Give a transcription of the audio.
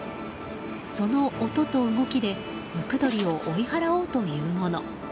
その音と動きでムクドリを追い払おうというもの。